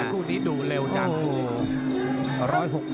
คู่นี้ดูเร็วจัง